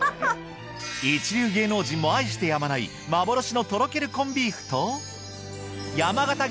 一流芸能人も愛してやまない幻のとろけるコンビーフと山形